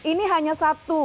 ini hanya satu